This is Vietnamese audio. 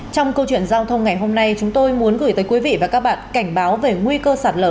trong câu chuyện giao thông ngày hôm nay chúng tôi muốn gửi tới quý vị và các bạn cảnh báo về nguy cơ sạt lở